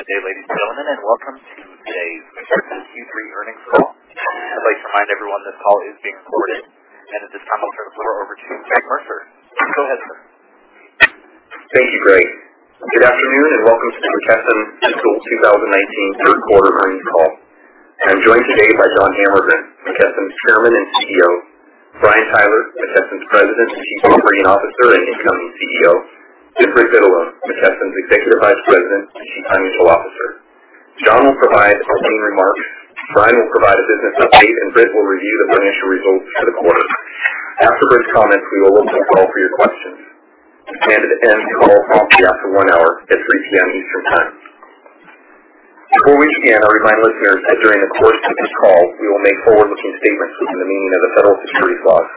Good day, ladies and gentlemen, and welcome to today's McKesson Q3 earnings call. I'd like to remind everyone this call is being recorded, and at this time, I'll turn the floor over to Craig Mercer. Go ahead, sir. Thank you, Craig. Good afternoon, and welcome to McKesson's fiscal 2019 third quarter earnings call. I'm joined today by John Hammergren, McKesson's Chairman and CEO; Brian Tyler, McKesson's President and Chief Operating Officer and incoming CEO; and Britt Vitalone, McKesson's Executive Vice President and Chief Financial Officer. John will provide opening remarks. Brian will provide a business update, and Britt will review the financial results for the quarter. After Britt's comments, we will open the call for your questions. End the call promptly after one hour at 3:00 P.M. Eastern Time. Before we begin, I remind listeners that during the course of this call, we will make forward-looking statements within the meaning of the federal securities laws.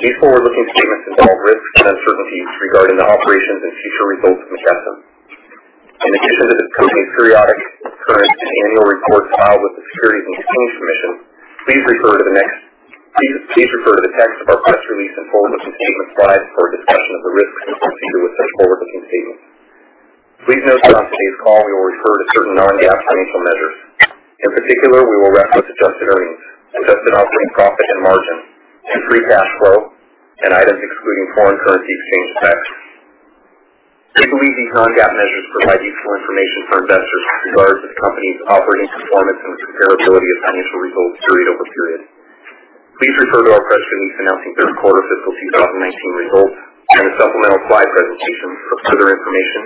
These forward-looking statements involve risks and uncertainties regarding the operations and future results of McKesson. In addition to disclosing periodic, current, and annual reports filed with the Securities and Exchange Commission, please refer to the text of our press release and forward-looking statement slides for a discussion of the risks and uncertainties with such forward-looking statements. Please note that on today's call, we will refer to certain non-GAAP financial measures. In particular, we will reference adjusted earnings, adjusted operating profit and margin, free cash flow, and items excluding foreign currency exchange effects. We believe these non-GAAP measures provide useful information for investors with regard to the company's operating performance and the comparability of financial results period-over-period. Please refer to our press release announcing third quarter fiscal 2019 results and the supplemental slide presentation for further information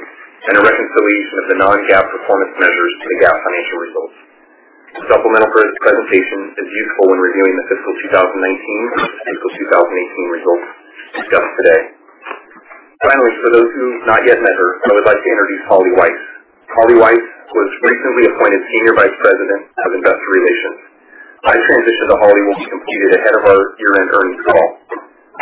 and a reconciliation of the non-GAAP performance measures to the GAAP financial results. The supplemental presentation is useful when reviewing the fiscal 2019 and fiscal 2018 results discussed today. Finally, for those who've not yet met her, I would like to introduce Holly Weiss. Holly Weiss was recently appointed Senior Vice President of Investor Relations. My transition to Holly will be completed ahead of our year-end earnings call.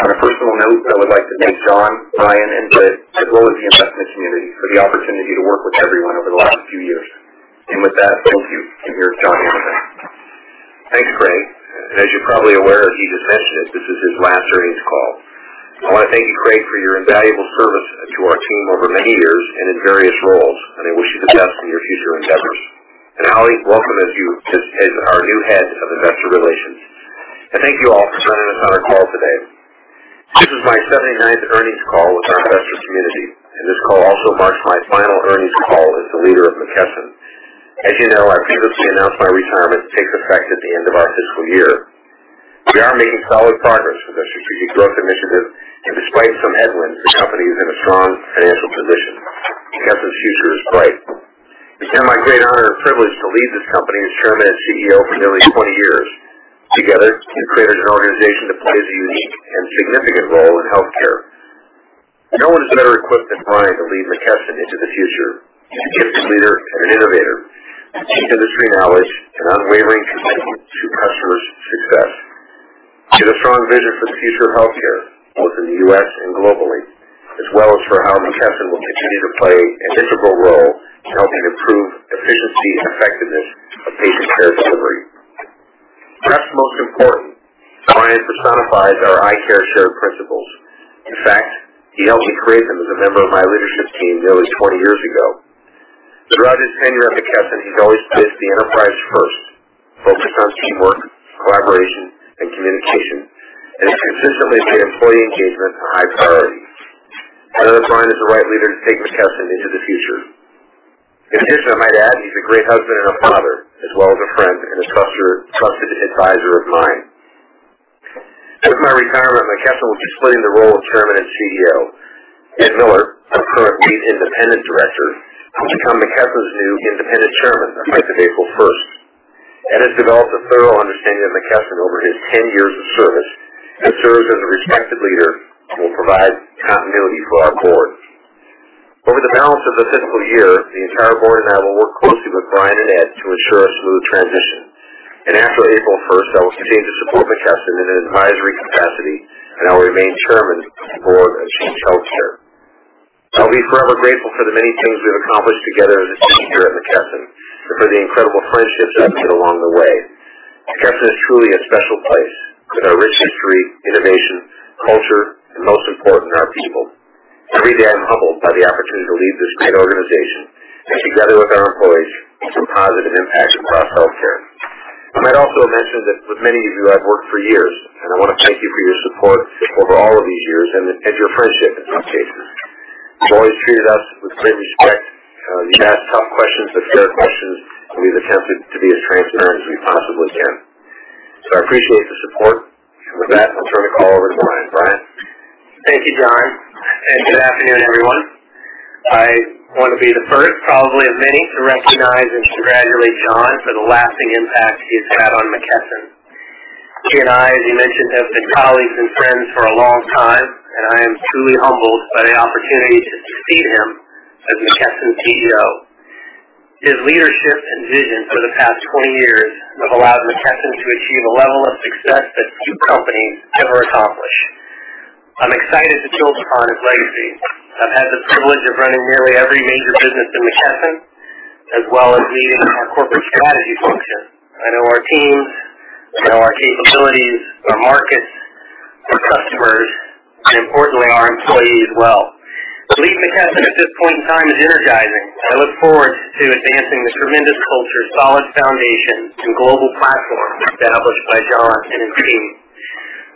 On a personal note, I would like to thank John, Brian, and Britt, as well as the investment community, for the opportunity to work with everyone over the last few years. With that, thank you, and here's John Hammergren. Thanks, Craig. As you're probably aware, as he just mentioned it, this is his last earnings call. I want to thank you, Craig, for your invaluable service to our team over many years and in various roles. I wish you the best in your future endeavors. Holly, welcome as our new Head of Investor Relations. Thank you all for joining us on our call today. This is my 79th earnings call with our investor community. This call also marks my final earnings call as the leader of McKesson. As you know, I previously announced my retirement takes effect at the end of our fiscal year. We are making solid progress with our strategic growth initiative. Despite some headwinds, the company is in a strong financial position. McKesson's future is bright. It's been my great honor and privilege to lead this company as Chairman and CEO for nearly 20 years. Together, we've created an organization that plays a unique and significant role in healthcare. No one is better equipped than Brian to lead McKesson into the future. He's a gifted leader and an innovator with deep industry knowledge and unwavering commitment to customers' success. He has a strong vision for the future of healthcare, both in the U.S. and globally, as well as for how McKesson will continue to play an integral role in helping improve efficiency and effectiveness of patient care delivery. Perhaps most important, Brian personifies our ICARE shared principles. In fact, he helped me create them as a member of my leadership team nearly 20 years ago. Throughout his tenure at McKesson, he's always placed the enterprise first, focused on teamwork, collaboration, and communication. He's consistently made employee engagement a high priority. I know that Brian is the right leader to take McKesson into the future. In addition, I might add, he's a great husband and a father, as well as a friend and a trusted advisor of mine. As my retirement, McKesson will be splitting the role of Chairman and CEO. Edward Mueller, our current lead independent director, will become McKesson's new independent chairman as of 1st April. Ed has developed a thorough understanding of McKesson over his 10 years of service and serves as a respected leader and will provide continuity for our board. Over the balance of the fiscal year, the entire board and I will work closely with Brian and Ed to ensure a smooth transition. After 1st April, I will continue to support McKesson in an advisory capacity. I will remain chairman of the board of Change Healthcare. I'll be forever grateful for the many things we've accomplished together as a team here at McKesson and for the incredible friendships I've made along the way. McKesson is truly a special place with our rich history, innovation, culture, and most important, our people. Every day I'm humbled by the opportunity to lead this great organization and together with our employees make a positive impact across healthcare. I might also mention that with many of you, I've worked for years. I want to thank you for your support over all of these years and your friendship in some cases. You've always treated us with great respect. You've asked tough questions but fair questions. We've attempted to be as transparent as we possibly can. I appreciate the support. With that, I'll turn the call over to Brian. Brian? Thank you, John, and good afternoon, everyone. I want to be the first, probably of many, to recognize and congratulate John for the lasting impact he's had on McKesson. He and I, as he mentioned, have been colleagues and friends for a long time, and I am truly humbled by the opportunity to succeed him as McKesson's CEO. His leadership and vision for the past 20 years have allowed McKesson to achieve a level of success that few companies ever accomplish. I'm excited to build upon his legacy. I've had the privilege of running nearly every major business in McKesson, as well as leading our corporate strategy function. I know our teams, I know our capabilities, our markets Importantly, our employees as well. Leading McKesson at this point in time is energizing, and I look forward to advancing this tremendous culture, solid foundation, and global platform established by John and his team.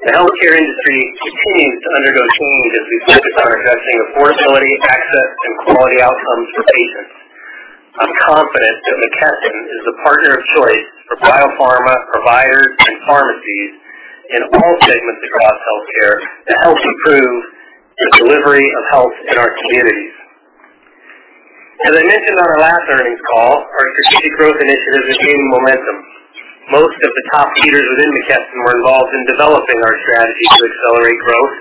The healthcare industry continues to undergo change as we focus on addressing affordability, access, and quality outcomes for patients. I'm confident that McKesson is the partner of choice for biopharma, providers, and pharmacies in all segments across healthcare to help improve the delivery of health in our communities. As I mentioned on our last earnings call, our strategic growth initiatives are gaining momentum. Most of the top leaders within McKesson were involved in developing our strategy to accelerate growth,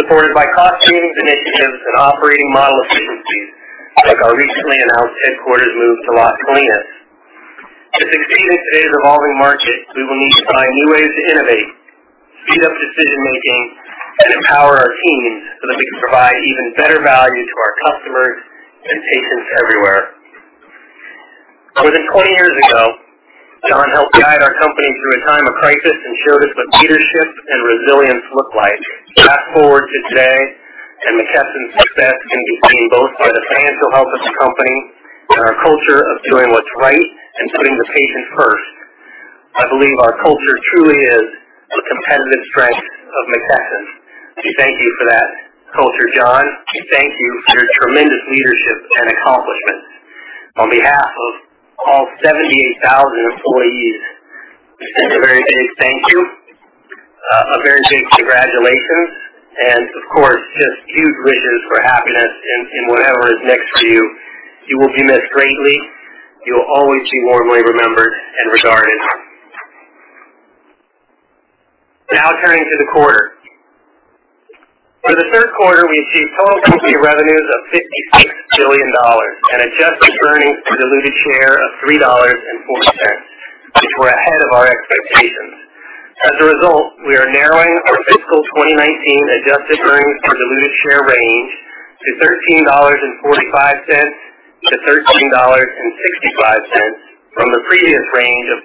supported by cost-savings initiatives and operating model efficiencies, like our recently announced headquarters move to Las Colinas. To succeed in today's evolving market, we will need to find new ways to innovate, speed up decision-making, and empower our teams so that we can provide even better value to our customers and patients everywhere. More than 20 years ago, John helped guide our company through a time of crisis and showed us what leadership and resilience look like. Fast-forward to today, McKesson's success can be seen both by the financial health of the company and our culture of doing what's right and putting the patient first. I believe our culture truly is the competitive strength of McKesson. We thank you for that culture, John. We thank you for your tremendous leadership and accomplishments. On behalf of all 78,000 employees, we send a very big thank you, a very big congratulations, and of course, just huge wishes for happiness in whatever is next for you. You will be missed greatly. You will always be warmly remembered and regarded. Now turning to the quarter. For the third quarter, we achieved total company revenues of $56 billion and adjusted earnings per diluted share of $3.40, which were ahead of our expectations. As a result, we are narrowing our FY 2019 adjusted earnings per diluted share range to $13.45-$13.65 from the previous range of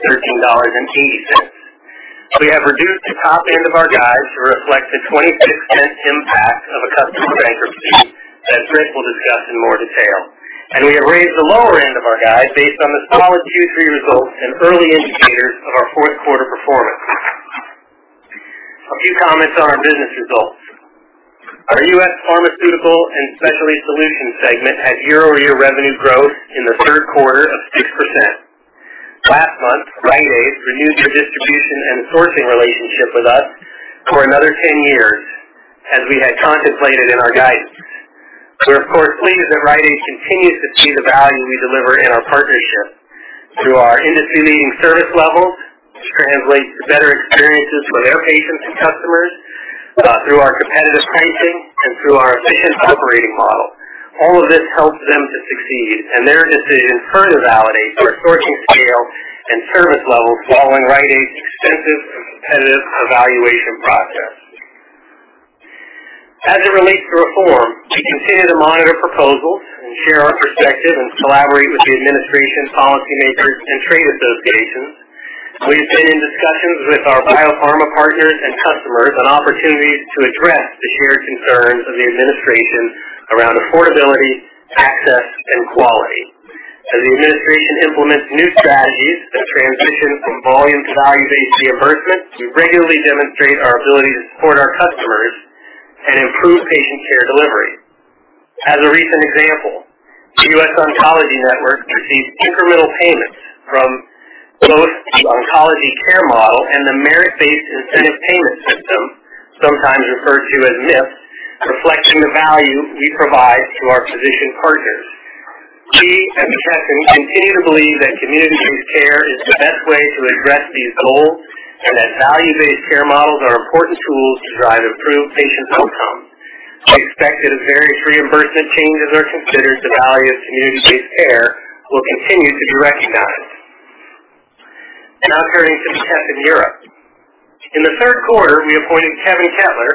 $13.20-$13.80. We have reduced the top end of our guide to reflect the $0.26 impact of a customer bankruptcy that Chris will discuss in more detail. We have raised the lower end of our guide based on the solid Q3 results and early indicators of our fourth quarter performance. A few comments on our business results. Our U.S. Pharmaceutical and Specialty Solutions segment had year-over-year revenue growth in the third quarter of 6%. Last month, Rite Aid renewed their distribution and sourcing relationship with us for another 10 years, as we had contemplated in our guidance. We are, of course, pleased that Rite Aid continues to see the value we deliver in our partnership through our industry-leading service levels, which translates to better experiences for their patients and customers, through our competitive pricing, and through our efficient operating model. All of this helps them to succeed, their decision further validates our sourcing scale and service levels following Rite Aid's extensive and competitive evaluation process. As it relates to reform, we continue to monitor proposals and share our perspective and collaborate with the administration, policymakers, and trade associations. We have been in discussions with our biopharma partners and customers on opportunities to address the shared concerns of the administration around affordability, access, and quality. As the administration implements new strategies that transition from volume to value-based reimbursement, we regularly demonstrate our ability to support our customers and improve patient care delivery. As a recent example, the U.S. Oncology Network received incremental payments from both the Oncology Care Model and the Merit-Based Incentive Payment System, sometimes referred to as MIPS, reflecting the value we provide to our physician partners. We at McKesson continue to believe that community-based care is the best way to address these goals and that value-based care models are important tools to drive improved patients' outcomes. We expect that as various reimbursement changes are considered, the value of community-based care will continue to be recognized. Now turning to McKesson Europe. In the third quarter, we appointed Kevin Kettler,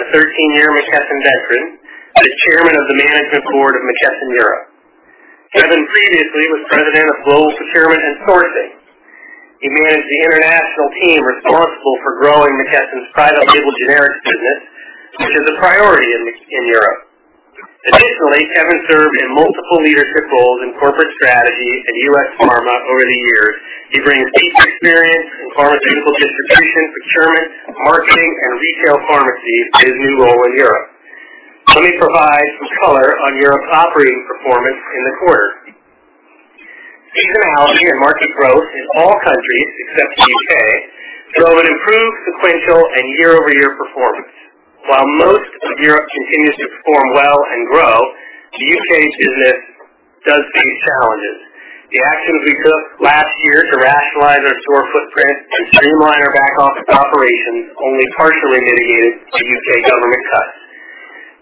a 13-year McKesson veteran, as chairman of the management board of McKesson Europe. Kevin previously was president of Global Procurement and Sourcing. He managed the international team responsible for growing McKesson's private label generics business, which is a priority in Europe. Kevin served in multiple leadership roles in corporate strategy and U.S. pharma over the years. He brings deep experience in pharmaceutical distribution, procurement, marketing, and retail pharmacy to his new role in Europe. Let me provide some color on Europe's operating performance in the quarter. Seasonality and market growth in all countries except the U.K. drove an improved sequential and year-over-year performance. While most of Europe continues to perform well and grow, the U.K. business does face challenges. The actions we took last year to rationalize our store footprint and streamline our back-office operations only partially mitigated the U.K. government cuts.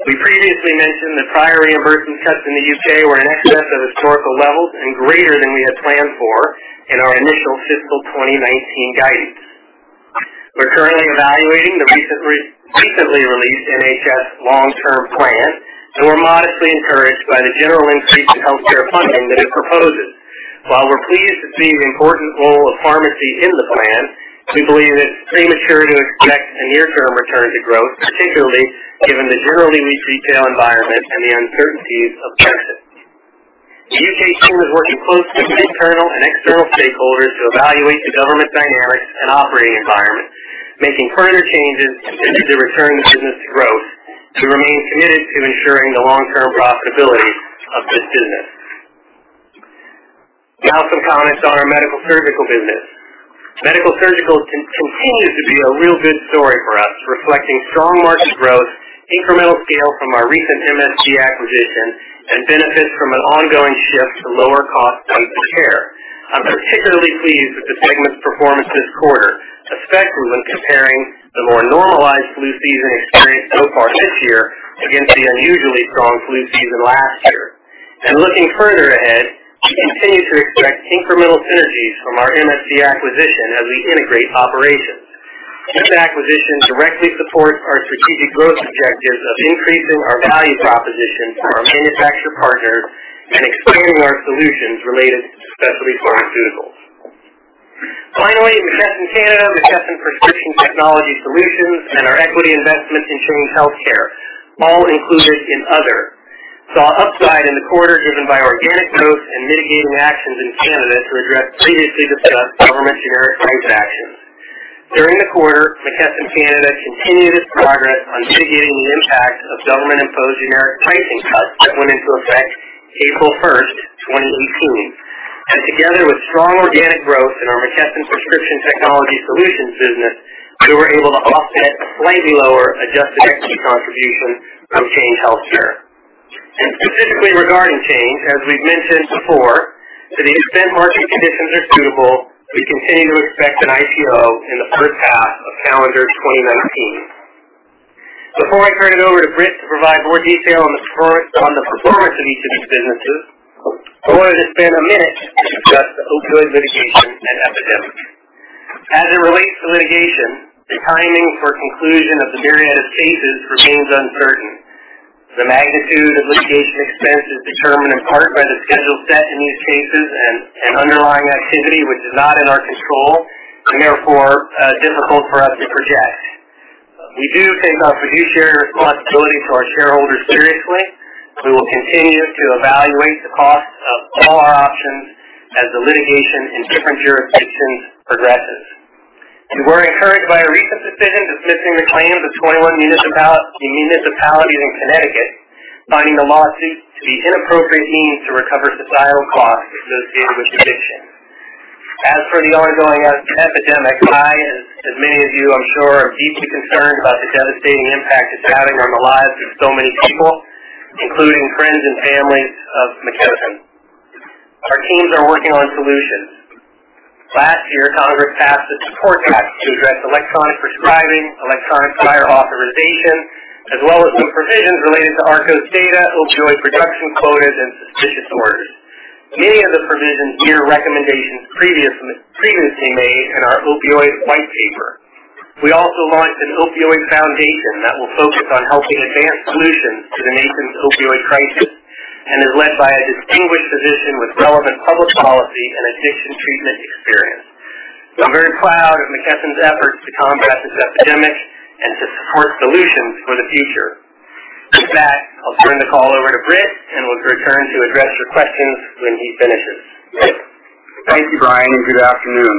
We previously mentioned that prior reimbursement cuts in the U.K. were in excess of historical levels and greater than we had planned for in our initial FY 2019 guidance. We're currently evaluating the recently released NHS long-term plan, and we're modestly encouraged by the general increase in healthcare funding that it proposes. While we're pleased to see the important role of pharmacy in the plan, we believe it's premature to expect a near-term return to growth, particularly given the generally weak retail environment and the uncertainties of Brexit. The U.K. team is working closely with internal and external stakeholders to evaluate the government dynamics and operating environment, making further changes needed to return the business to growth. We remain committed to ensuring the long-term profitability of this business. Now some comments on our Medical-Surgical business. Medical-Surgical continues to be a real good story for us, reflecting strong market growth, incremental scale from our recent MSD acquisition, and benefit from an ongoing shift to lower-cost points of care. I'm particularly pleased with the segment's performance this quarter, especially when comparing the more normalized flu season experienced so far this year against the unusually strong flu season last year. Looking further ahead, we continue to expect incremental synergies from our MSD acquisition as we integrate operations. This acquisition directly supports our strategic growth objectives of increasing our value proposition to our manufacturer partners and expanding our solutions related to specialty pharmaceuticals. Finally, McKesson Canada, McKesson Prescription Technology Solutions, and our equity investment in Change Healthcare, all included in other, saw upside in the quarter driven by organic growth and mitigating actions in Canada to address previously discussed government generic pricing actions. During the quarter, McKesson Canada continued its progress on mitigating the impacts of government-imposed generic pricing cuts that went into effect 1st April, 2018. Together with strong organic growth in our McKesson Prescription Technology Solutions business, we were able to offset a slightly lower adjusted equity contribution from Change Healthcare. Specifically regarding Change, as we've mentioned before, to the extent market conditions are suitable, we continue to expect an IPO in the first half of calendar 2019. Before I turn it over to Britt to provide more detail on the performance of each of these businesses, I wanted to spend a minute to discuss the opioid litigation and epidemic. As it relates to litigation, the timing for conclusion of the myriad of cases remains uncertain. The magnitude of litigation expense is determined in part by the schedule set in these cases and underlying activity, which is not in our control and therefore, difficult for us to project. We do take our fiduciary responsibility to our shareholders seriously. We will continue to evaluate the costs of all our options as the litigation in different jurisdictions progresses. We were encouraged by a recent decision dismissing the claims of 21 municipalities in Connecticut, finding the lawsuit to be an inappropriate means to recover societal costs associated with addiction. As for the ongoing epidemic, I, as many of you, I'm sure, are deeply concerned about the devastating impact it's having on the lives of so many people, including friends and families of McKesson. Our teams are working on solutions. Last year, Congress passed a SUPPORT Act to address electronic prescribing, electronic prior authorization, as well as some provisions related to ARCOS data, opioid production quotas, and suspicious orders. Many of the provisions mirror recommendations previously made in our opioid white paper. We also launched an opioid foundation that will focus on helping advance solutions to the nation's opioid crisis and is led by a distinguished physician with relevant public policy and addiction treatment experience. I'm very proud of McKesson's efforts to combat this epidemic and to support solutions for the future. With that, I'll turn the call over to Britt, and we'll return to address your questions when he finishes. Thank you, Brian, and good afternoon.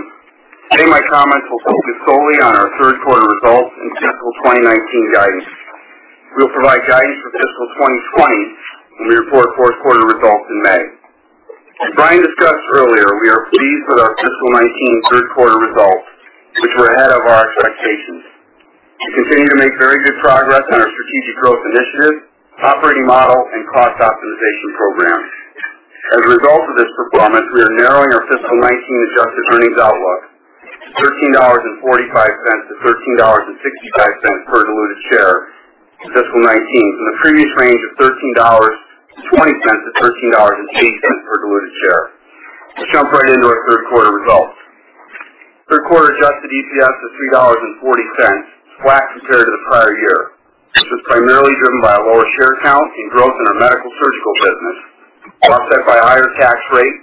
Today, my comments will focus solely on our third quarter results and fiscal 2019 guidance. We'll provide guidance for fiscal 2020 when we report fourth quarter results in May. As Brian discussed earlier, we are pleased with our fiscal '19 third quarter results, which were ahead of our expectations. We continue to make very good progress on our strategic growth initiatives, operating model, and cost optimization programs. As a result of this performance, we are narrowing our fiscal '19 adjusted earnings outlook to $13.45-$13.65 per diluted share for fiscal '19 from the previous range of $13.20-$13.80 per diluted share. Let's jump right into our third quarter results. Third quarter adjusted EPS was $3.40, flat compared to the prior year. This was primarily driven by a lower share count and growth in our Medical-Surgical Solutions business, offset by higher tax rate,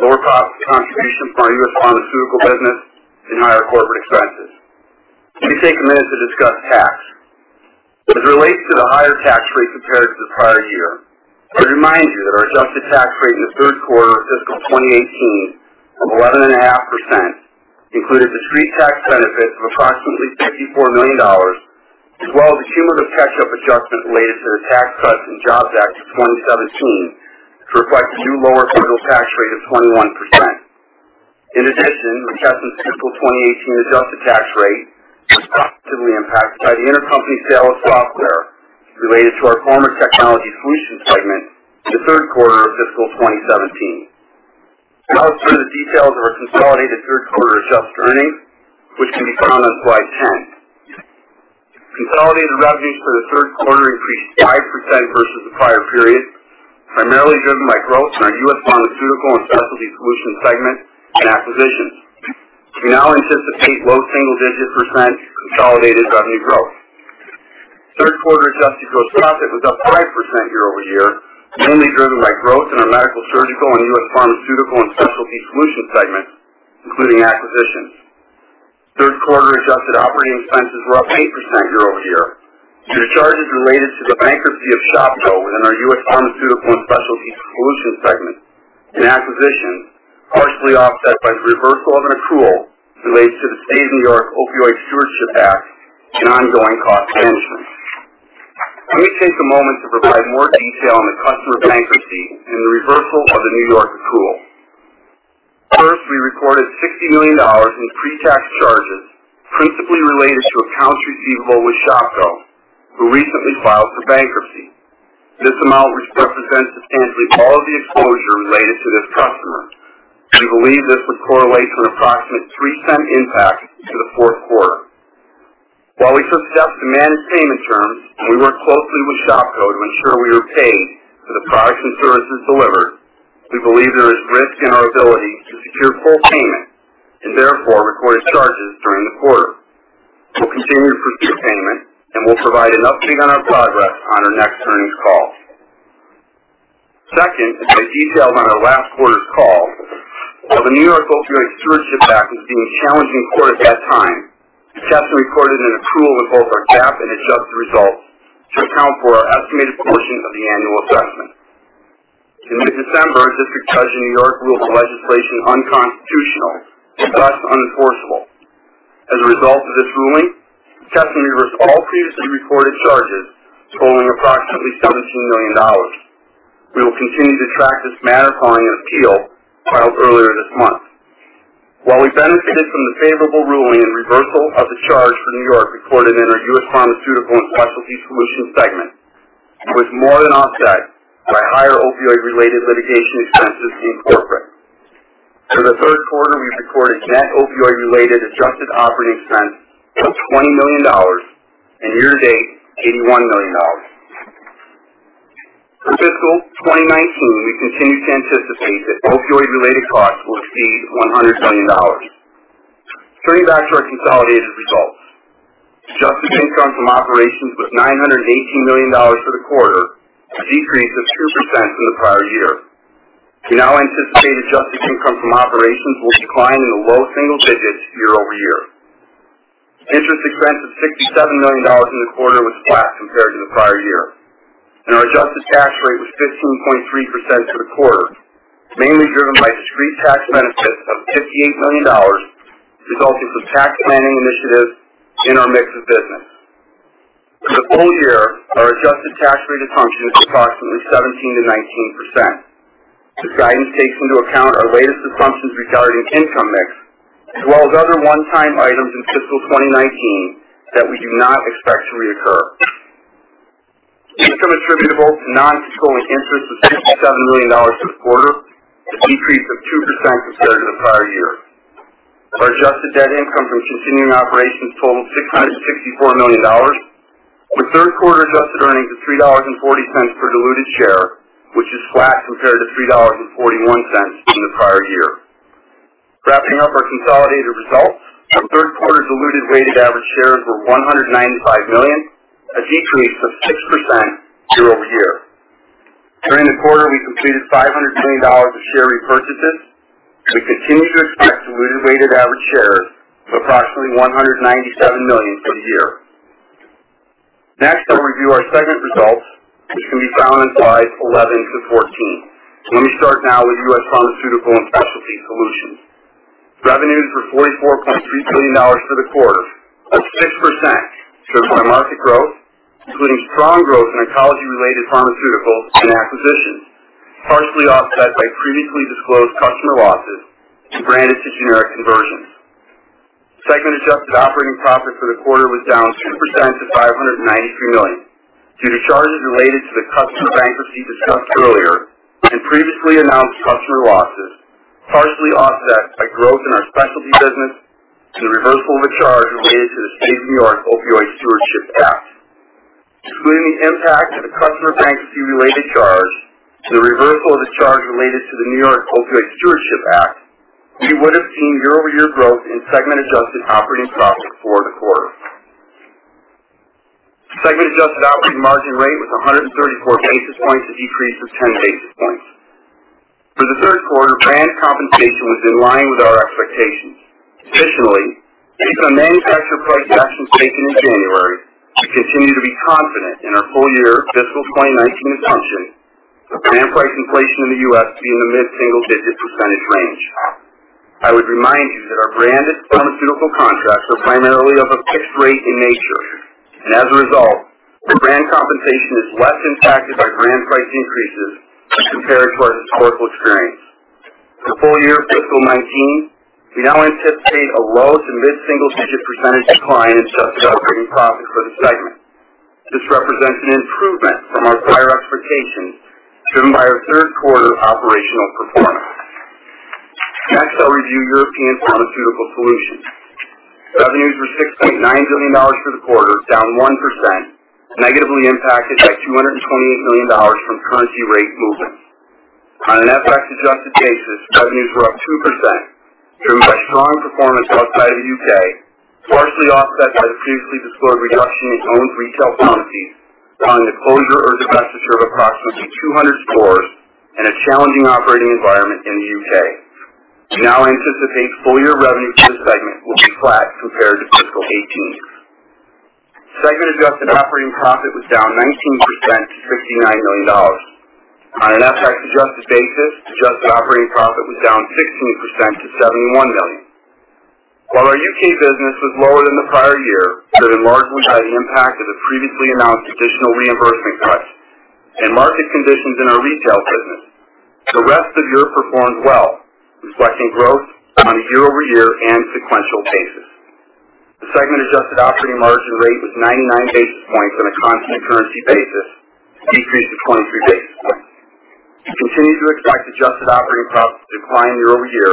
lower profit contribution from our U.S. Pharmaceutical and Specialty Solutions business, and higher corporate expenses. Let me take a minute to discuss tax. As it relates to the higher tax rate compared to the prior year, I'd remind you that our adjusted tax rate in the third quarter of fiscal 2018 of 11.5% included discrete tax benefits of approximately $54 million, as well as a cumulative catch-up adjustment related to the Tax Cuts and Jobs Act of 2017 to reflect the new lower federal tax rate of 21%. In addition, McKesson's fiscal 2018 adjusted tax rate was positively impacted by the intercompany sale of software related to our former Technology Solutions segment in the third quarter of fiscal 2017. Now let's turn to details of our consolidated third quarter adjusted earnings, which can be found on slide 10. Consolidated revenues for the third quarter increased 5% versus the prior period, primarily driven by growth in our U.S. Pharmaceutical and Specialty Solutions segment and acquisitions. We now anticipate low single-digit percent consolidated revenue growth. Third quarter adjusted gross profit was up 5% year-over-year, mainly driven by growth in our Medical-Surgical Solutions and U.S. Pharmaceutical and Specialty Solutions segment, including acquisitions. Third quarter adjusted operating expenses were up 8% year-over-year, due to charges related to the bankruptcy of Shopko within our U.S. Pharmaceutical and Specialty Solutions segment, and acquisitions, partially offset by the reversal of an accrual related to the State of New York Opioid Stewardship Act and ongoing cost management. Let me take a moment to provide more detail on the customer bankruptcy and the reversal of the New York accrual. First, we recorded $60 million in pre-tax charges, principally related to accounts receivable with Shopko, who recently filed for bankruptcy. This amount represents substantially all of the exposure related to this customer, and we believe this would correlate to an approximate $0.26 impact to the fourth quarter. While we took steps to manage payment terms and we worked closely with Shopko to ensure we were paid for the products and services delivered, we believe there is risk in our ability to secure full payment and therefore recorded charges during the quarter. We'll continue to pursue payment, and we'll provide an update on our progress on our next earnings call. Second, as I detailed on our last quarter's call, while the State of New York Opioid Stewardship Act was deemed challenged in court at that time, McKesson recorded an accrual in both our GAAP and adjusted results to account for our estimated portion of the annual assessment. In mid-December, a district judge in New York ruled the legislation unconstitutional, thus unenforceable. As a result of this ruling, McKesson reversed all previously recorded charges totaling approximately $17 million. We will continue to track this matter following an appeal filed earlier this month. While we benefited from the favorable ruling and reversal of the charge for New York reported in our U.S. Pharmaceutical and Specialty Solutions segment, it was more than offset by higher opioid-related litigation expenses in corporate. For the third quarter, we recorded net opioid-related adjusted operating expense of $20 million, and year-to-date, $81 million. For fiscal 2019, we continue to anticipate that opioid-related costs will exceed $100 million. Turning back to our consolidated results. Adjusted income from operations was $918 million for the quarter, a decrease of 2% from the prior year. We now anticipate adjusted income from operations will decline in the low single digits year-over-year. Interest expense of $67 million in the quarter was flat compared to the prior year. Our adjusted tax rate was 15.3% for the quarter, mainly driven by discrete tax benefits of $58 million resulting from tax planning initiatives in our mix of business. For the full year, our adjusted tax rate assumption is approximately 17%-19%. This guidance takes into account our latest assumptions regarding income mix, as well as other one-time items in fiscal 2019 that we do not expect to reoccur. Income attributable to non-controlling interest was $67 million for the quarter, a decrease of 2% compared to the prior year. Our adjusted net income from continuing operations totaled $664 million. Our third quarter adjusted earnings of $3.40 per diluted share, which is flat compared to $3.41 in the prior year. Wrapping up our consolidated results, our third quarter diluted weighted average shares were 195 million, a decrease of 6% year-over-year. During the quarter, we completed $520 of share repurchases, and we continue to expect diluted weighted average shares of approximately 197 million for the year. Next, I'll review our segment results, which can be found on Slides 11-14. Let me start now with U.S. Pharmaceutical and Specialty Solutions. Revenues were $44.3 billion for the quarter, up 6%, driven by market growth, including strong growth in oncology-related pharmaceuticals and acquisitions, partially offset by previously disclosed customer losses and brand-to-generic conversions. Segment adjusted operating profit for the quarter was down 10% to $593 million due to charges related to the customer bankruptcy discussed earlier and previously announced customer losses, partially offset by growth in our specialty business and the reversal of a charge related to the State of New York Opioid Stewardship Act. Excluding the impact of the customer bankruptcy-related charge and the reversal of the charge related to the New York Opioid Stewardship Act, we would've seen year-over-year growth in segment adjusted operating profit for the quarter. Segment adjusted operating margin rate was 134 basis points, a decrease of 10 basis points. For the third quarter, brand compensation was in line with our expectations. Additionally, based on manufacturer price actions taken in January, we continue to be confident in our full-year fiscal 2019 assumption for brand price inflation in the U.S. being in the mid-single-digit percentage range. I would remind you that our branded pharmaceutical contracts are primarily of a fixed rate in nature. As a result, the brand compensation is less impacted by brand price increases as compared to our historical experience. For full-year fiscal 2019, we now anticipate a low- to mid-single-digit percentage decline in adjusted operating profit for the segment. This represents an improvement from our prior expectations driven by our third quarter operational performance. Next, I'll review European Pharmaceutical Solutions. Revenues were $6.9 billion for the quarter, down 1%, negatively impacted by $228 million from currency rate movements. On a net FX adjusted basis, revenues were up 2%. Strong performance outside the U.K., partially offset by the previously disclosed reduction in owned retail pharmacies, following the closure or divestiture of approximately 200 stores and a challenging operating environment in the U.K. We now anticipate full-year revenue for the segment will be flat compared to fiscal 2018. Segment adjusted operating profit was down 19% to $59 million. On an FX-adjusted basis, adjusted operating profit was down 16% to $71 million. While our U.K. business was lower than the prior year, driven largely by the impact of the previously announced additional reimbursement cuts and market conditions in our retail business, the rest of Europe performed well, reflecting growth on a year-over-year and sequential basis. The segment adjusted operating margin rate was 99 basis points on a constant currency basis, a decrease of 23 basis points. We continue to expect adjusted operating profit to decline year-over-year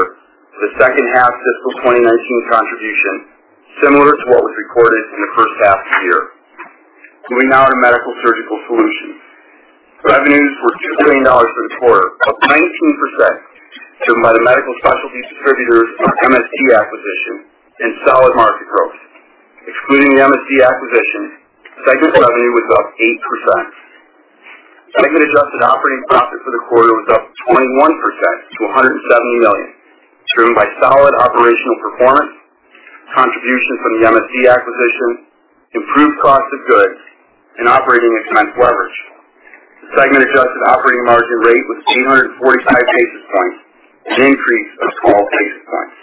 for the second half fiscal 2019 contribution, similar to what was recorded in the first half of the year. Moving now to Medical-Surgical Solutions. Revenues were $2 billion for the quarter, up 19%, driven by the Medical Specialties Distributors, or MSD, acquisition and solid market growth. Excluding the MSD acquisition, segment revenue was up 8%. Segment adjusted operating profit for the quarter was up 21% to $170 million, driven by solid operational performance, contribution from the MSD acquisition, improved cost of goods, and operating expense leverage. The segment adjusted operating margin rate was 845 basis points, an increase of 12 basis points.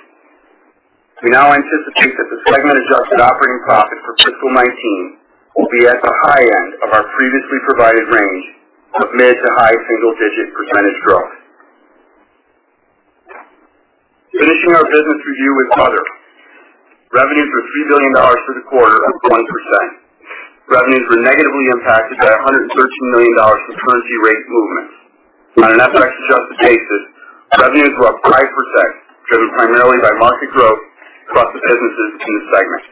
We now anticipate that the segment adjusted operating profit for fiscal 2019 will be at the high end of our previously provided range of mid- to high single-digit percentage growth. Finishing our business review with Other. Revenues were $3 billion for the quarter, up 1%. Revenues were negatively impacted by $113 million from currency rate movements. On an FX-adjusted basis, revenues were up 5%, driven primarily by market growth across the businesses in the segment.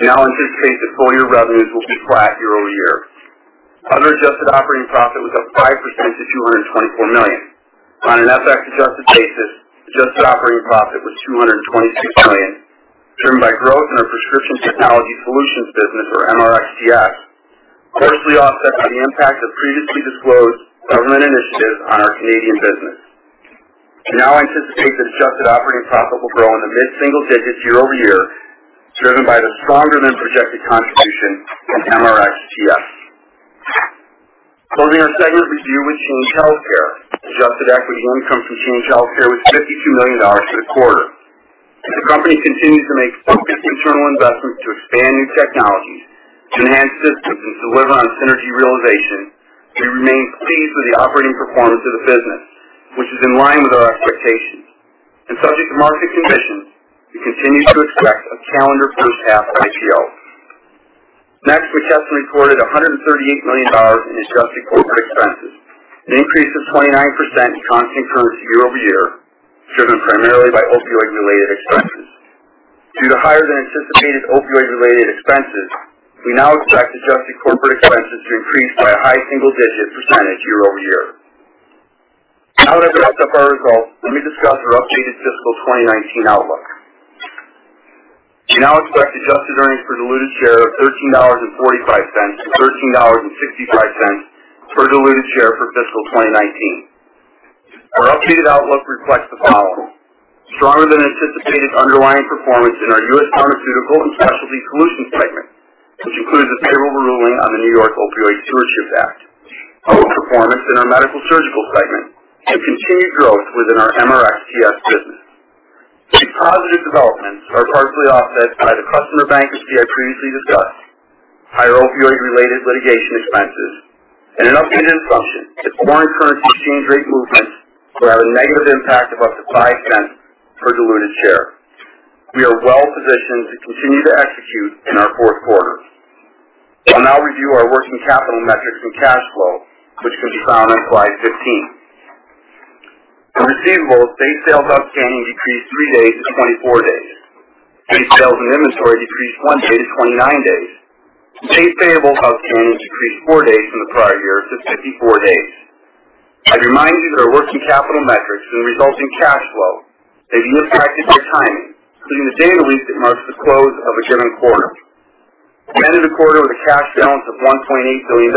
We now anticipate that full-year revenues will be flat year-over-year. Other adjusted operating profit was up 5% to $224 million. On an FX-adjusted basis, adjusted operating profit was $226 million, driven by growth in our McKesson Prescription Technology Solutions business, or MRxTS, partially offset by the impact of previously disclosed government initiatives on our Canadian business. We now anticipate that adjusted operating profit will grow in the mid-single digits year-over-year, driven by the stronger than projected contribution from MRxTS. Closing our segment review with Change Healthcare. Adjusted equity income from Change Healthcare was $52 million for the quarter. As the company continues to make focused internal investments to expand new technologies, to enhance systems, and deliver on synergy realization, we remain pleased with the operating performance of the business, which is in line with our expectations. Subject to market conditions, we continue to expect a calendar first half IPO. McKesson recorded $138 million in adjusted corporate expenses, an increase of 29% in constant currency year-over-year, driven primarily by opioid-related expenses. Due to higher than anticipated opioid-related expenses, we now expect adjusted corporate expenses to increase by a high single-digit percentage year-over-year. I've wrapped up our results, let me discuss our updated fiscal 2019 outlook. We now expect adjusted earnings per diluted share of $13.45-$13.65 per diluted share for fiscal 2019. Our updated outlook reflects the following: stronger than anticipated underlying performance in our U.S. Pharmaceutical and Specialty Solutions segment, which includes the favorable ruling on the New York Opioid Stewardship Act, outperformance in our Medical-Surgical Solutions segment, and continued growth within our MRxTS business. These positive developments are partially offset by the customer bankruptcy I previously discussed, higher opioid-related litigation expenses, and an updated assumption that foreign currency exchange rate movements will have a negative impact of up to $0.05 per diluted share. We are well-positioned to continue to execute in our fourth quarter. I'll now review our working capital metrics and cash flow, which can be found on slide 15. For receivables, days sales outstanding decreased three days to 24 days. Days sales in inventory decreased one day to 29 days. Days payable outstanding decreased four days from the prior year to 54 days. I'd remind you that our working capital metrics and the resulting cash flow may be impacted by timing, including the day of the week that marks the close of a given quarter. We ended the quarter with a cash balance of $1.8 billion.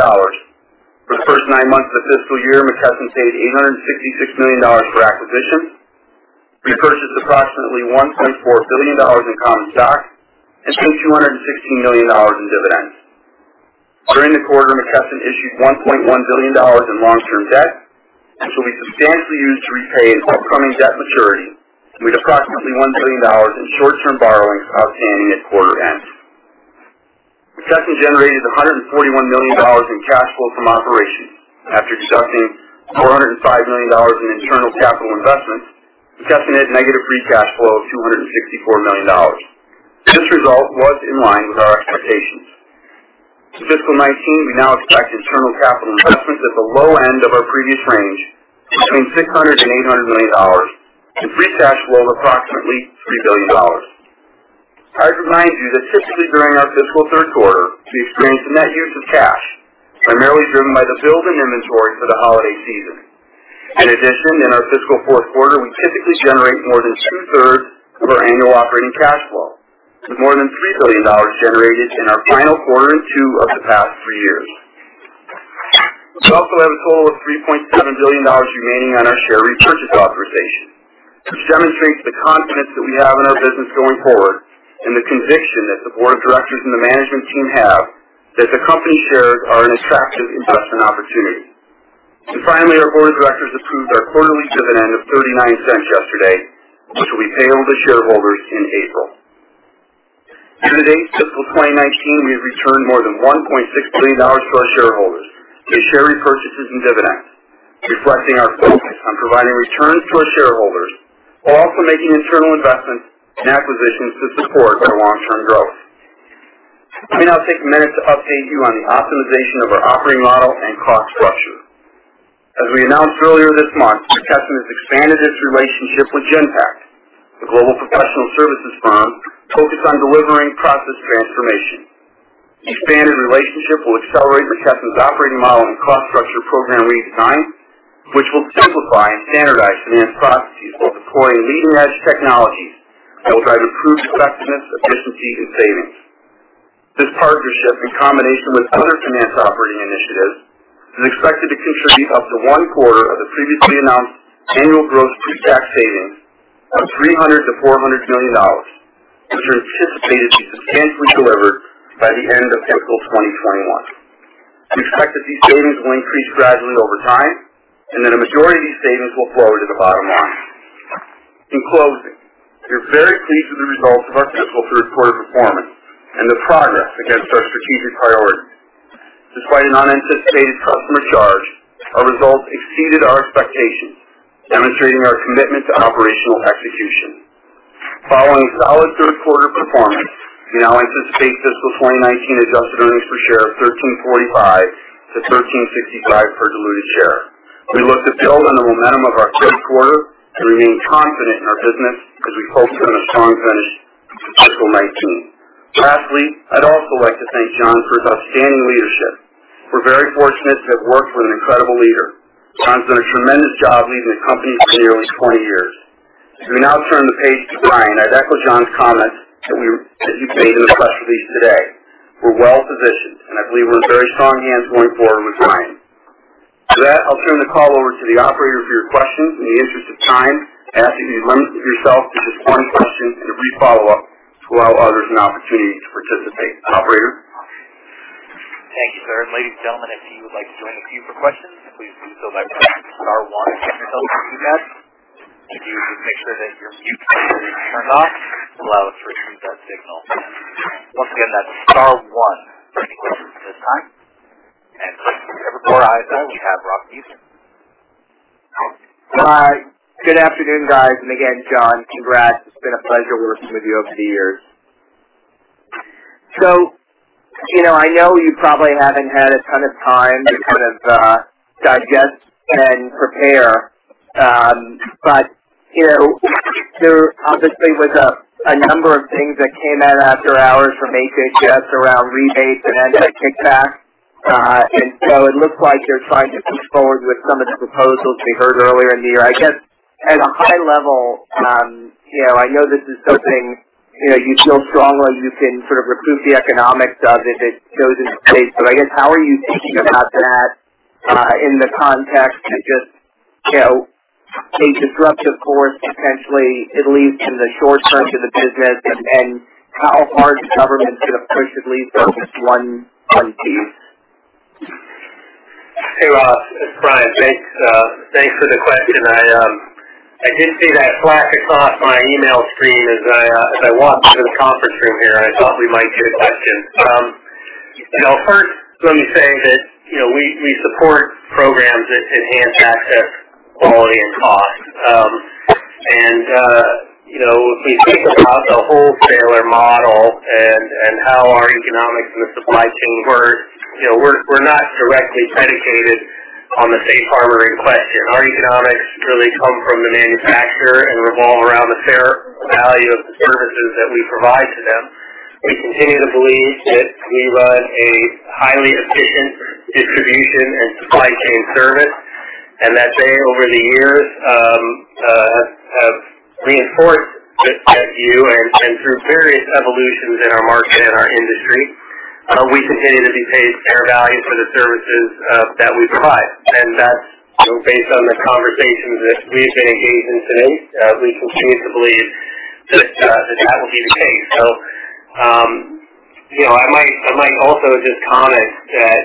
For the first nine months of the fiscal year, McKesson paid $856 million for acquisitions, repurchased approximately $1.4 billion in common stock, and paid $216 million in dividends. During the quarter, McKesson issued $1.1 billion in long-term debt, which will be substantially used to repay an upcoming debt maturity, with approximately $1 billion in short-term borrowings outstanding at quarter end. McKesson generated $141 million in cash flow from operations. After deducting $405 million in internal capital investments, McKesson had negative free cash flow of $264 million. This result was in line with our expectations. For fiscal 2019, we now expect internal capital investments at the low end of our previous range, between $600 and $800 million, and free cash flow of approximately $3 billion. I remind you that typically during our fiscal third quarter, we experience a net use of cash, primarily driven by the build in inventory for the holiday season. In addition, in our fiscal fourth quarter, we typically generate more than two-thirds of our annual operating cash flow, with more than $3 billion generated in our final quarter in two of the past three years. We also have a total of $3.7 billion remaining on our share repurchase authorization, which demonstrates the confidence that we have in our business going forward, and the conviction that the board of directors and the management team have that the company shares are an attractive investment opportunity. Finally, our board of directors approved our quarterly dividend of $0.39 yesterday, which will be paid to shareholders in April. To date, fiscal 2019, we've returned more than $1.6 billion to our shareholders through share repurchases and dividends, reflecting our focus on providing returns to our shareholders while also making internal investments and acquisitions to support our long-term growth. Let me now take a minute to update you on the optimization of our operating model and cost structure. As we announced earlier this month, McKesson has expanded its relationship with Genpact, a global professional services firm focused on delivering process transformation. The expanded relationship will accelerate McKesson's operating model and cost structure program redesign, which will simplify and standardize finance processes while deploying leading-edge technologies that will drive improved effectiveness, efficiency, and savings. This partnership, in combination with other finance operating initiatives, is expected to contribute up to one-quarter of the previously announced annual gross pre-tax savings of $300 million-$400 million, which are anticipated to be substantially delivered by the end of fiscal 2021. We expect that these savings will increase gradually over time, and that a majority of these savings will flow to the bottom line. In closing, we are very pleased with the results of our fiscal third quarter performance and the progress against our strategic priorities. Despite an unanticipated customer charge, our results exceeded our expectations, demonstrating our commitment to operational execution. Following solid third quarter performance, we now anticipate fiscal 2019 adjusted earnings per share of $13.45-$13.65 per diluted share. We look to build on the momentum of our third quarter and remain confident in our business as we focus on a strong finish to fiscal 2019. Lastly, I'd also like to thank John for his outstanding leadership. We're very fortunate to have worked with an incredible leader. John's done a tremendous job leading the company for nearly 20 years. As we now turn the page to Brian, I'd echo John's comments that he made in the press release today. We're well-positioned, and I believe we're in very strong hands going forward with Brian. To that, I'll turn the call over to the operator for your questions. In the interest of time, I ask that you limit yourself to just one question and a brief follow-up to allow others an opportunity to participate. Operator? Thank you, sir. Ladies and gentlemen, if you would like to join the queue for questions, please do so by pressing star one on your telephone keypad. If you could make sure that your mute button is turned off, it'll allow us to receive that signal. Once again, that's star one for any questions at this time. With Evercore ISI, we have Ross Muken. Hi. Good afternoon, guys. Again, John, congrats. It's been a pleasure working with you over the years. I know you probably haven't had a ton of time to kind of digest and prepare. There obviously was a number of things that came out after hours from HHS around rebates and anti-kickback. It looks like you're trying to push forward with some of the proposals we heard earlier in the year. I guess at a high level, I know this is something you feel strongly you can sort of recruit the economics of if it goes into place. I guess, how are you thinking about that in the context of just a disruptive course, potentially, at least in the short term to the business, and how hard government could have pushed at least on just one piece? Hey, Ross, it's Brian. Thanks for the question. I did see that flash across my email screen as I walked into the conference room here, I thought we might get a question. First, let me say that we support programs that enhance access, quality, and cost. If we think about the wholesaler model and how our economics and the supply chain work, we're not directly predicated on the safe harbor in question. Our economics really come from the manufacturer and revolve around the fair value of the services that we provide to them. We continue to believe that we run a highly efficient distribution and supply chain service, that data over the years have reinforced that view, through various evolutions in our market and our industry, we continue to be paid fair value for the services that we provide. That's based on the conversations that we've been engaged in to date. We continue to believe that that will be the case. I might also just comment that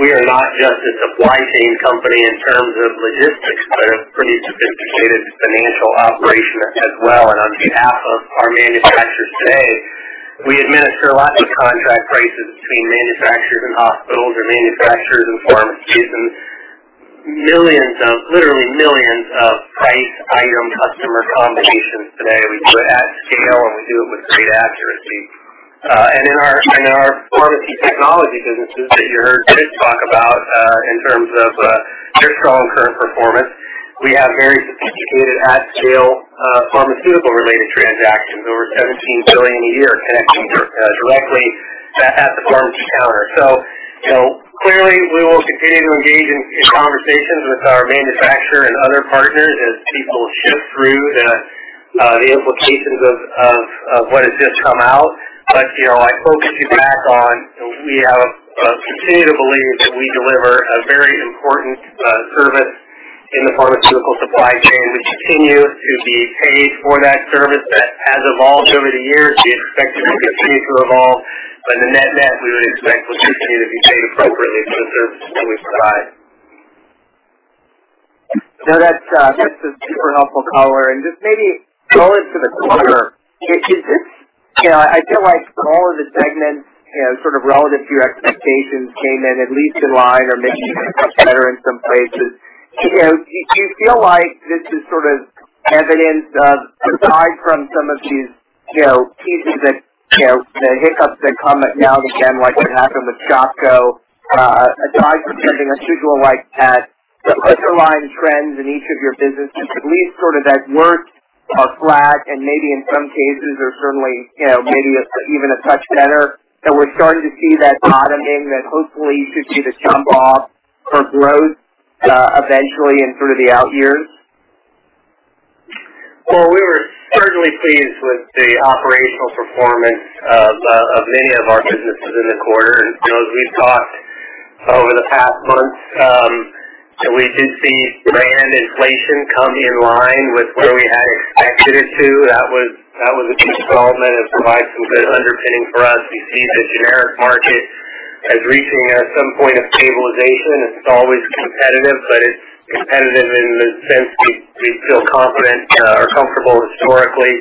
we are not just a supply chain company in terms of logistics, but a pretty sophisticated financial operation as well. On behalf of our manufacturers today, we administer lots of contract prices between manufacturers and hospitals or manufacturers and pharmacies, literally millions of price item customer combinations today. We do it at scale, we do it with great accuracy. In our pharmacy technology businesses that you heard Chris talk about in terms of their strong current performance We have very sophisticated at-scale pharmaceutical-related transactions, over $17 billion a year connecting directly at the pharmacy counter. Clearly, we will continue to engage in conversations with our manufacturer and other partners as people shift through the implications of what has just come out. I focus you back on, we continue to believe that we deliver a very important service in the pharmaceutical supply chain and continue to be paid for that service that has evolved over the years. We expect it will continue to evolve. In that net, we would expect to continue to be paid appropriately for the services that we provide. No, that's a super helpful color. Just maybe going to the quarter, I feel like for all of the segments, sort of relative to your expectations came in at least in line or maybe even a touch better in some places. Do you feel like this is sort of evidence of, aside from some of these pieces, the hiccups that come up now and again, like what happened with Shopko, aside from being a seasonal-like pad, the underlying trends in each of your businesses, at least sort of at worst, are flat and maybe in some cases are certainly maybe even a touch better, that we're starting to see that bottoming, that hopefully you could see the jump-off for growth eventually in sort of the out years? Well, we were certainly pleased with the operational performance of many of our businesses in the quarter. As we've talked over the past months, we did see brand inflation come in line with where we had expected it to. That was a key development. It provides some good underpinning for us. We see the generic market as reaching some point of stabilization. It's always competitive, but it's competitive in the sense we feel confident and are comfortable historically.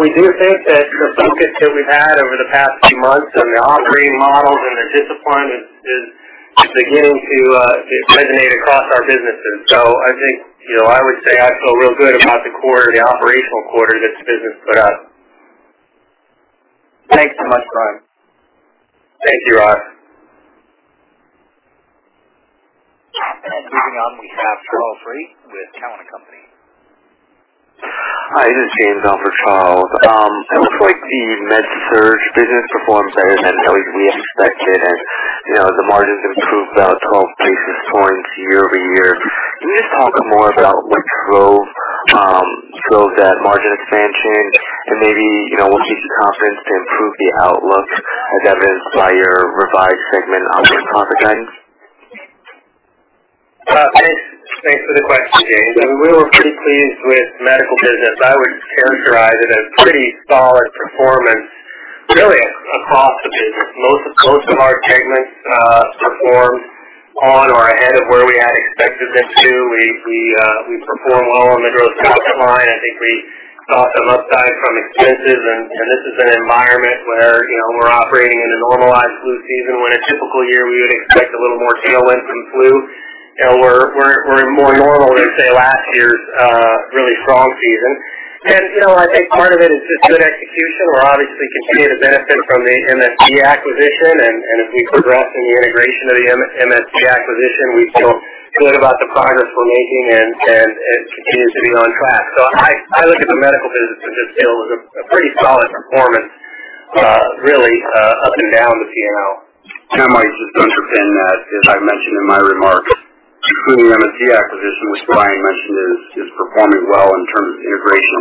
We do think that the focus that we've had over the past few months on the operating models and the discipline is beginning to resonate across our businesses. I think, I would say I feel real good about the quarter, the operational quarter this business put up. Thanks so much, Brian. Thank you, Ross. Moving on, we have Charles Rhyee with Cowen and Company. Hi, this is James, on for Charles. It looks like the Med-Surg business performed better than we expected. The margins improved about 12 basis points year-over-year. Can you just talk more about what drove that margin expansion? Maybe what gives you confidence to improve the outlook as evidenced by your revised segment operating profit guidance? Thanks for the question, James. We were pretty pleased with the medical business. I would characterize it as pretty solid performance, really across the business. Most of our segments performed on or ahead of where we had expected them to. We performed well in the gross profit line. I think we saw some upside from expenses. This is an environment where we're operating in a normalized flu season, when a typical year, we would expect a little more tailwind from flu. We're more normal than, say, last year's really strong season. I think part of it is just good execution. We're obviously continuing to benefit from the MSD acquisition, and as we progress in the integration of the MSD acquisition, we feel good about the progress we're making, and continue to be on track. I look at the medical business and just feel it was a pretty solid performance, really, up and down the P&L. I might just underpin that, as I mentioned in my remarks, including the MSD acquisition, which Brian mentioned, is performing well in terms of integration.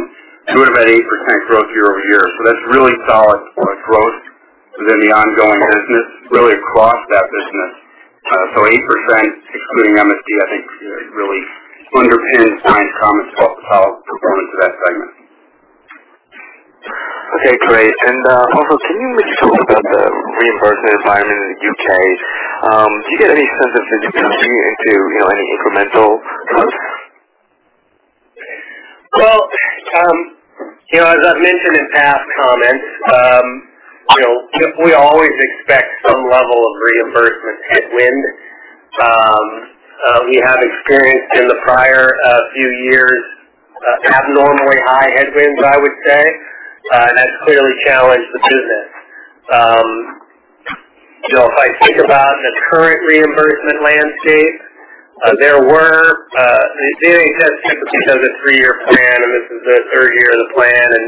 We would have had 8% growth year-over-year. That's really solid growth within the ongoing business, really across that business. 8%, excluding MSD, I think really underpins Brian's comments about the solid performance of that segment. Okay, great. Also, can you maybe talk about the reimbursement environment in the U.K.? Do you get any sense of did you contribute to any incremental growth? Well, as I've mentioned in past comments, we always expect some level of reimbursement headwind. We have experienced in the prior few years abnormally high headwinds, I would say, and that's clearly challenged the business. If I think about the current reimbursement landscape, there were The NHS typically does a three-year plan, and this is the third year of the plan, and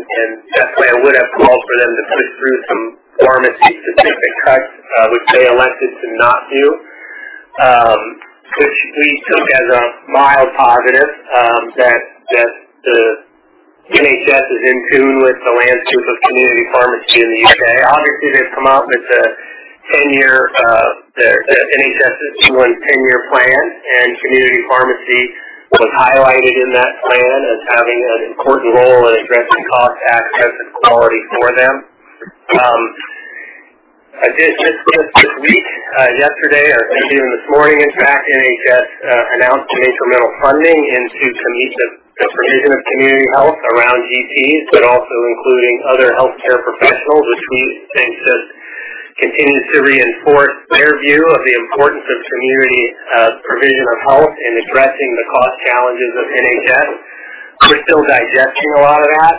that plan would've called for them to push through some pharmacy-specific cuts, which they elected to not do, which we took as a mild positive that the NHS is in tune with the landscape of community pharmacy in the U.K. They've come out with a 10-year, the NHS's 10-year plan, and community pharmacy was highlighted in that plan as having an important role in addressing cost, access, and quality for them. Just this week, yesterday or maybe even this morning, in fact, NHS announced some incremental funding into the provision of community health around GPs, but also including other healthcare professionals, which we think just continues to reinforce their view of the importance of community provision of health in addressing the cost challenges of NHS. We're still digesting a lot of that.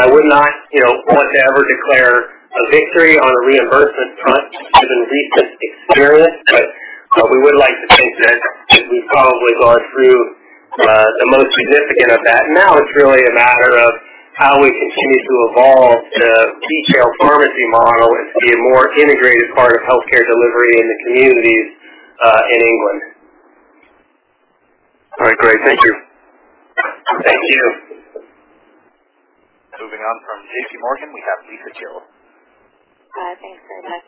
I would not want to ever declare a victory on a reimbursement front given recent experience. We would like to think that we've probably gone through the most significant of that. Now it's really a matter of how we continue to evolve the retail pharmacy model and be a more integrated part of healthcare delivery in the communities in England. All right, great. Thank you. Thank you. Moving on from J.P. Morgan, we have Lisa Gill. Thanks very much.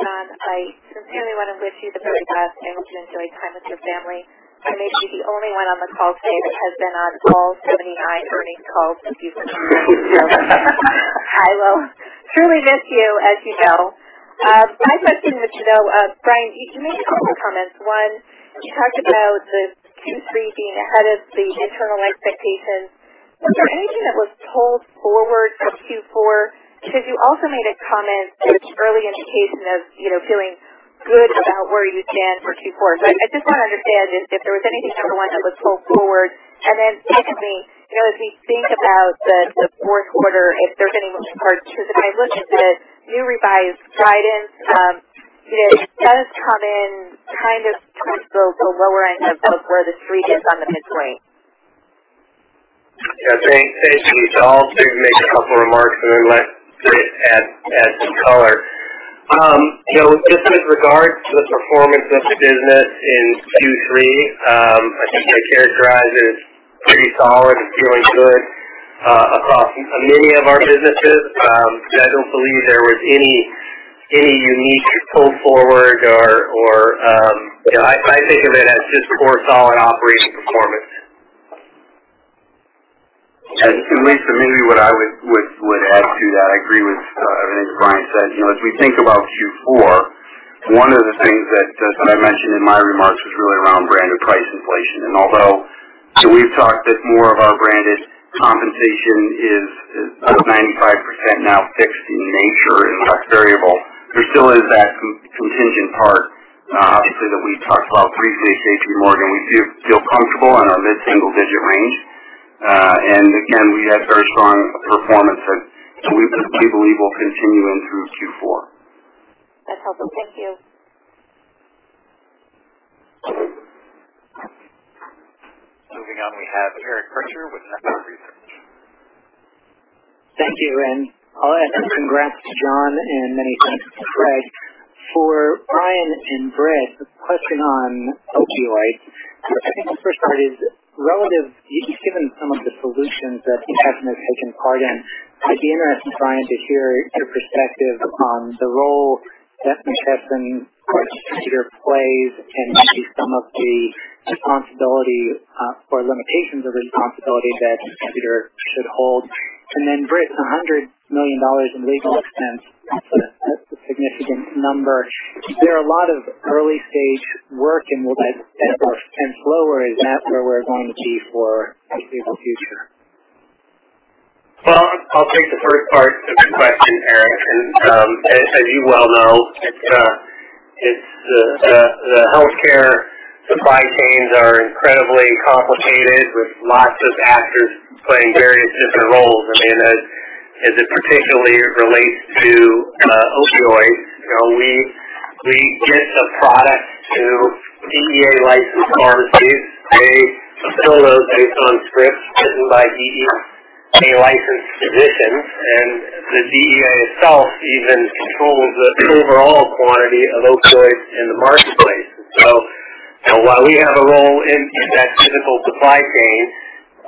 John, I sincerely want to wish you the very best and hope you enjoy time with your family. I may be the only one on the call today that has been on all 79 earnings calls of yours. I will truly miss you, as you know. Five questions for you though. Brian, you can make a couple comments. One, you talked about the Q3 being ahead of the internal expectations. Was there anything that was pulled forward from Q4? You also made a comment, this early indication of feeling good about where you stand for Q4. I just want to understand if there was anything, number one, that was pulled forward. Secondly, as we think about the fourth quarter, if there's anything you can parse, because if I look at the new revised guidance, it does come in towards the lower end of both where the street is on the midpoint. Thanks, Lisa. I'll make a couple remarks and then let Britt add some color. Just with regards to the performance of the business in Q3, I think I characterized it as pretty solid and feeling good across many of our businesses. I don't believe there was any unique pull forward. I think of it as just core solid operating performance. Lisa, maybe what I would add to that, I agree with everything Brian said. As we think about Q4, one of the things that I mentioned in my remarks was really around branded price inflation. Although we've talked that more of our branded compensation is about 95% now fixed in nature and less variable, there still is that contingent part, obviously, that we talked about previously with J.P. Morgan. We feel comfortable in our mid-single digit range. Again, we had very strong performance that we believe will continue in through Q4. That's helpful. Thank you. Moving on, we have Eric Percher with Nephron Research. Thank you. I'll add congrats to John and many thanks to Fred. For Brian and Britt, a question on opioids. I think the first part is relative. Given some of the solutions that McKesson has taken part in, I'd be interested, Brian, to hear your perspective on the role that McKesson or its distributor plays and maybe some of the responsibility, or limitations of the responsibility that distributor should hold. Then Britt, $100 million in legal expense, that's a significant number. Is there a lot of early-stage work and will that number trend lower? Is that where we're going to be for the foreseeable future? I'll take the first part of the question, Eric. As you well know, the healthcare supply chains are incredibly complicated with lots of actors playing various different roles. As it particularly relates to opioids, we get the product to DEA-licensed pharmacies. They fulfill those based on scripts written by DEA-licensed physicians, and the DEA itself even controls the overall quantity of opioids in the marketplace. While we have a role in that physical supply chain,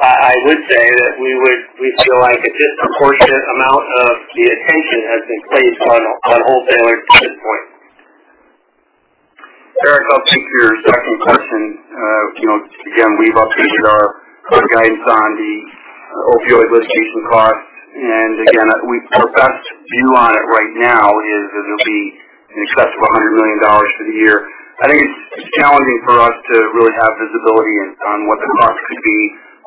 I would say that we feel like a disproportionate amount of the attention has been placed on wholesalers to this point. Eric, I'll take your second question. Again, we've updated our current guidance on the opioid litigation costs. Again, our best view on it right now is that it'll be in excess of $100 million for the year. I think it's challenging for us to really have visibility on what the costs could be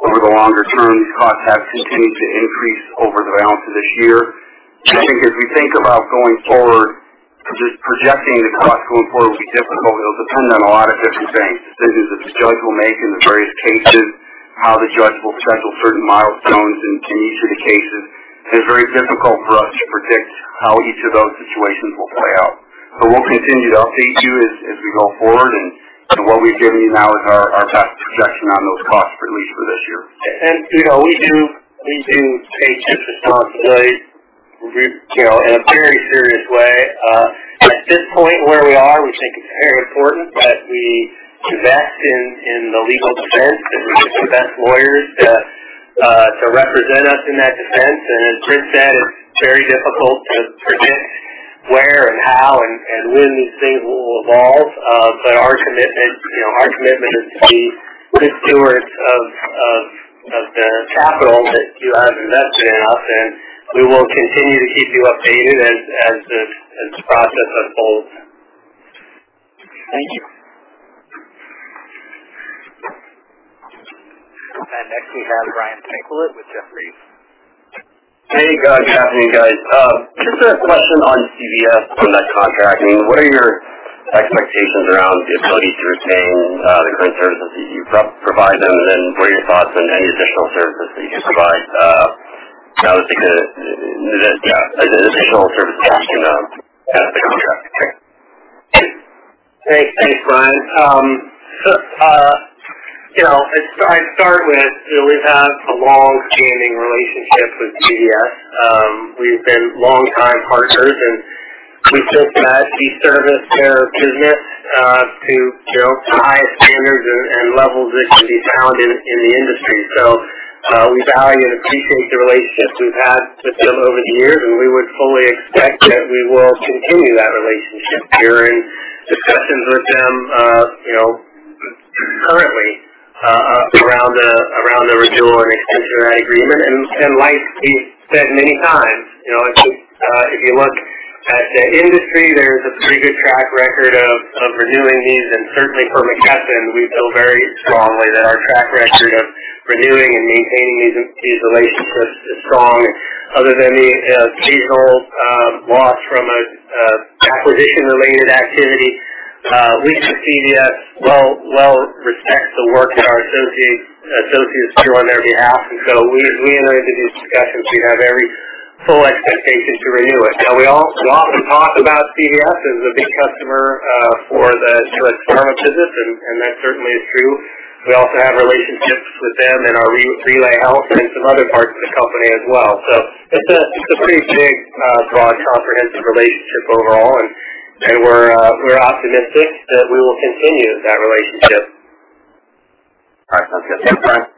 over the longer term. These costs have continued to increase over the balance of this year. I think if we think about going forward, just projecting the costs going forward will be difficult. It'll depend on a lot of different things. Decisions the judge will make in the various cases, how the judge will schedule certain milestones in each of the cases. It is very difficult for us to predict how each of those situations will play out. We'll continue to update you as we go forward, and what we've given you now is our best projection on those costs, at least for this year. We do take this responsibility in a very serious way. At this point, where we are, we think it's very important that we invest in the legal defense and we get the best lawyers to represent us in that defense. As Britt said, it's very difficult to predict where and how and when these things will evolve. Our commitment is to be good stewards of the capital that you have invested in us, and we will continue to keep you updated as this process unfolds. Thank you. Next we have Brian Tanquilut with Jefferies. Hey, good afternoon, guys. Just a question on CVS, on that contract. What are your expectations around the ability to retain the current services that you provide them? What are your thoughts on any additional services that you could provide now that the additional service contract? Thanks. Thanks, Brian. I'd start with, we've had a longstanding relationship with CVS. We've been longtime partners, and we feel that we service their business to the highest standards and levels that can be found in the industry. We value and appreciate the relationships we've had with them over the years, and we would fully expect that we will continue that relationship during discussions with them currently around the renewal and extension of that agreement. Like we've said many times, if you look at the industry, there's a pretty good track record of renewing these, and certainly for McKesson, we feel very strongly that our track record of renewing and maintaining these relationships is strong. Other than the occasional loss from an acquisition-related activity, we see that well-respected work that our associates do on their behalf. We enter into these discussions, we have every full expectation to renew it. Now, we often talk about CVS as a big customer for the U.S. pharma business, and that certainly is true. We also have relationships with them in our RelayHealth and some other parts of the company as well. It's a pretty big, broad, comprehensive relationship overall, and we're optimistic that we will continue that relationship. All right. Sounds good. Thanks.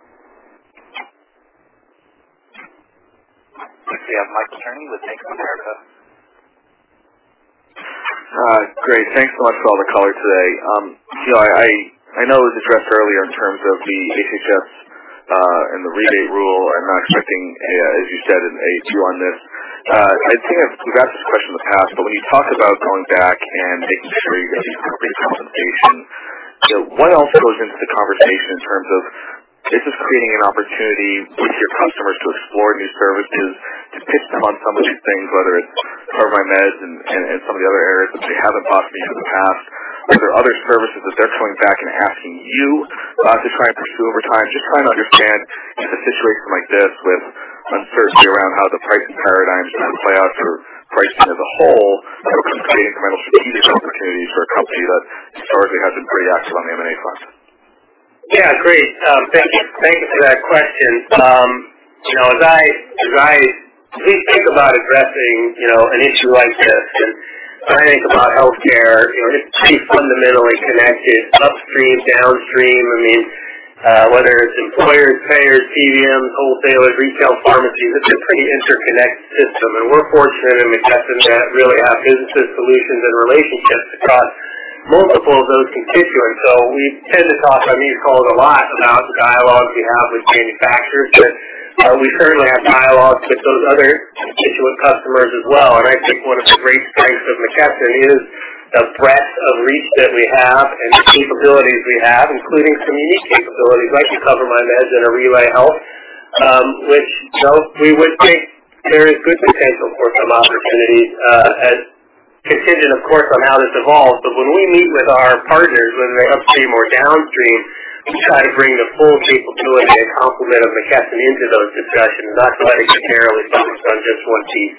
We have Mike Cherny with Bank of America. Great. Thanks so much for all the color today. I know it was addressed earlier in terms of the HHS and the rebate rule. I'm not expecting, as you said, an H2 on this. I think we've asked this question in the past, but when you talk about going back and making sure you get the appropriate compensation, what else goes into the conversation in terms of, is this creating an opportunity with your customers to explore new services, to pitch them on some of these things, whether it's CoverMyMeds and some of the other areas that they haven't bought from you in the past? Are there other services that they're coming back and asking you to try and pursue over time? Just trying to understand in a situation like this with uncertainty around how the pricing paradigms are going to play out for pricing as a whole, what kind of incremental strategic opportunities for a company that historically has been pretty active on the M&A front. Great. Thank you for that question. As I think about addressing an issue like this, and I think about healthcare, it's pretty fundamentally connected upstream, downstream. Whether it's employers, payers, PBMs, wholesalers, retail pharmacies, it's a pretty interconnected system. We're fortunate at McKesson to really have businesses, solutions, and relationships across multiple of those constituents. So we tend to talk on these calls a lot about the dialogues we have with manufacturers, but we currently have dialogues with those other constituent customers as well. I think one of the great strengths of McKesson is the breadth of reach that we have and the capabilities we have, including some unique capabilities like the CoverMyMeds and our RelayHealth, which we would think carries good potential for some opportunities, contingent, of course, on how this evolves. When we meet with our partners, whether they're upstream or downstream, we try to bring the full capability and complement of McKesson into those discussions, not let it narrowly focus on just one piece.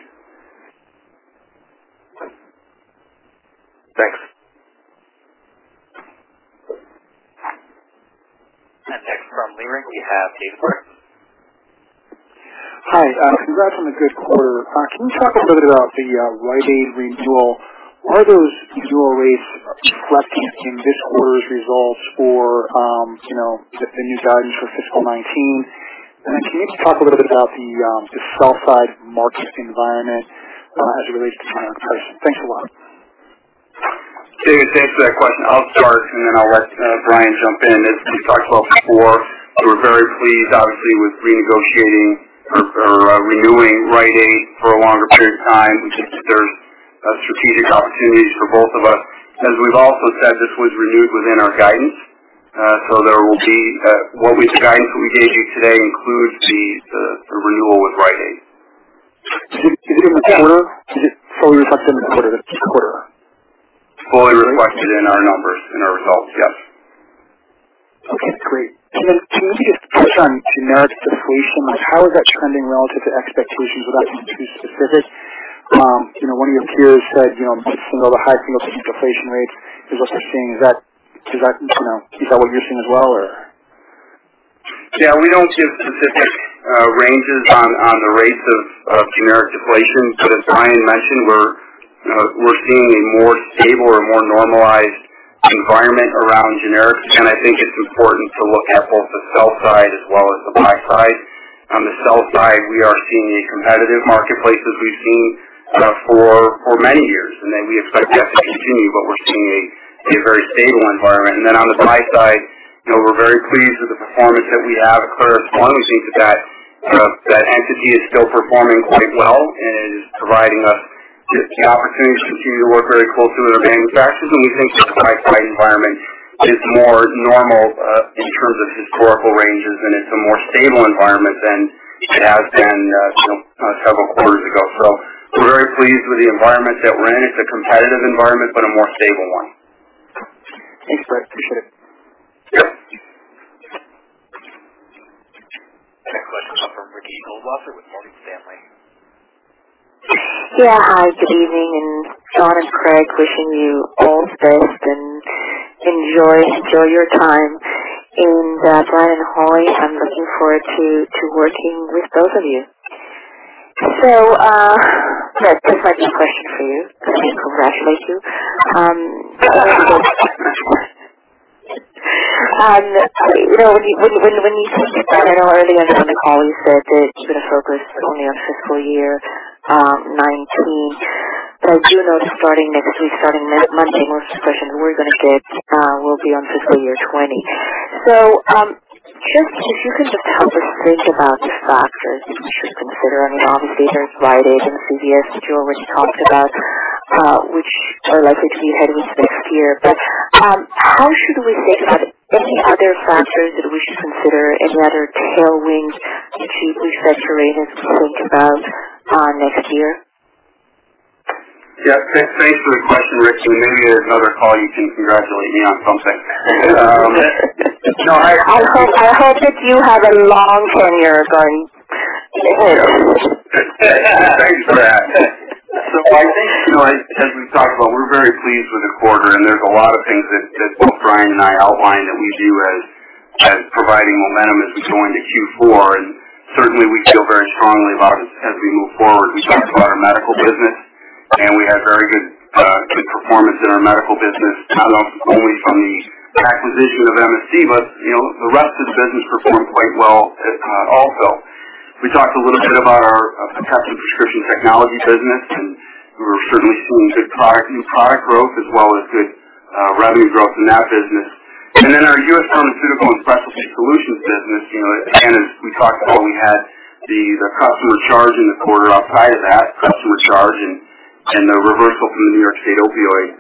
Thanks. Next from Leerink we have David Larsen. Hi, congrats on a good quarter. Can you talk a little bit about the Rite Aid renewal? Were those renewal rates reflected in this quarter's results for the new guidance for fiscal 2019? Can you just talk a little bit about the sell-side market environment as it relates to pricing? Thanks a lot. David, thanks for that question. I'll start and then I'll let Brian jump in. As we've talked about before, we're very pleased, obviously, with renegotiating or renewing Rite Aid for a longer period of time. We think there's strategic opportunities for both of us. As we've also said, this was renewed within our guidance, so the guidance that we gave you today includes the renewal with Rite Aid. Is it mature? Is it fully reflected in the quarter? Fully reflected in our numbers, in our results, yes. Okay, great. Can you just touch on generic deflation? How is that trending relative to expectations without being too specific? One of your peers said some of the high single-digit deflation rates is what they're seeing. Is that what you're seeing as well? Yeah, we don't give specific ranges on the rates of generic deflation. As Brian mentioned, we're seeing a more stable or more normalized environment around generics. I think it's important to look at both the sell side as well as the buy side. On the sell side, we are seeing a competitive marketplace as we've seen for many years, and that we expect that to continue, but we're seeing a very stable environment. On the buy side, we're very pleased with the performance that we have at ClarusONE, that entity is still performing quite well and is providing us Just the opportunity to continue to work very closely with our banking partners. We think the supply-side environment is more normal, in terms of historical ranges, and it's a more stable environment than it has been a couple of quarters ago. We're very pleased with the environment that we're in. It's a competitive environment, but a more stable one. Thanks, Britt. Appreciate it. Yep. Next question will come from Ricky Goldwasser with Morgan Stanley. Yeah. Hi, good evening. John and Craig, wishing you all the best, and enjoy still your time in the Brian and Holly. I'm looking forward to working with both of you. Britt, this might be a question for you. Let me congratulate you. Thank you. When you think about, I know early on in the call you said that you're going to focus only on fiscal year 2019, but I do note starting next week, starting Monday, most of the questions we're going to get will be on fiscal year 2020. If you can just help us think about the factors that we should consider. I mean, obviously, there's wide agency here, Stuart, which you talked about, which are likely to hit us next year. How should we think about any other factors that we should consider? Any other tailwinds to keep refresh your ratings to think about, next year? Yeah. Thanks for the question, Ricky. Maybe there's another call you can congratulate me on something. I hope that you have a long career going. Yeah. Thanks for that. I think, as we've talked about, we're very pleased with the quarter, there's a lot of things that both Brian and I outlined that we view as providing momentum as we go into Q4, and certainly we feel very strongly about as we move forward. We talked about our medical business, we had very good performance in our medical business, not only from the acquisition of MSD, but the rest of the business performed quite well also. We talked a little bit about our Professional Prescription Technology business, we're certainly seeing good product growth as well as good revenue growth in that business. Our U.S. Pharmaceutical and Specialty Solutions business, again, as we talked about, we had the customer charge in the quarter. Outside of that customer charge and the reversal from the State of New York Opioid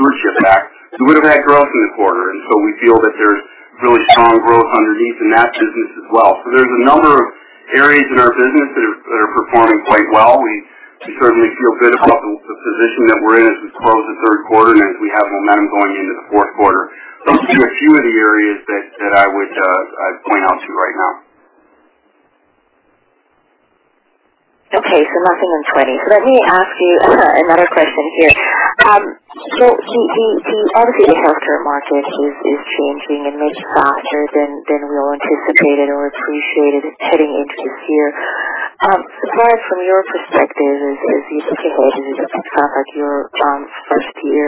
Stewardship Act, we would've had growth in the quarter. We feel that there's really strong growth underneath in that business as well. There's a number of areas in our business that are performing quite well. We certainly feel good about the position that we're in as we close the third quarter and as we have momentum going into the fourth quarter. Those are just a few of the areas that I would point out to you right now. Okay. Less than 2020. Let me ask you another question here. Obviously the healthcare market is changing in many factors than we all anticipated or appreciated heading into this year. Brian, from your perspective, as you look ahead, this is your first year